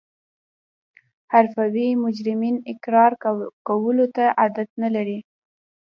حرفوي مجرمین اقرار کولو ته عادت نلري